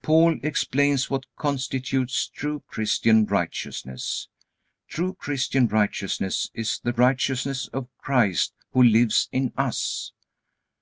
Paul explains what constitutes true Christian righteousness. True Christian righteousness is the righteousness of Christ who lives in us.